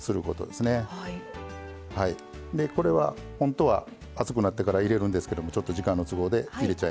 でこれはほんとは熱くなってから入れるんですけどもちょっと時間の都合で入れちゃいます。